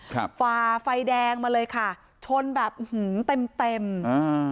ฝ่าไฟแดงมาเลยค่ะชนแบบอื้อหือเต็มเต็มอ่า